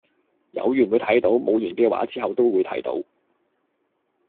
有緣會睇到，冇緣既話之後都會睇到